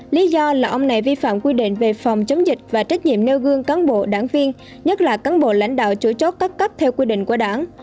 lý do là ông này vi phạm quy định về phòng chống dịch và trách nhiệm nêu gương cán bộ đảng viên nhất là cán bộ lãnh đạo chủ chốt các cấp theo quy định của đảng